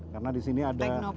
karena di sini ada